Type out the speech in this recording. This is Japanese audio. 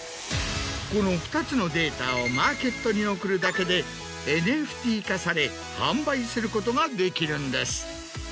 この２つのデータをマーケットに送るだけでＮＦＴ化され販売することができるんです。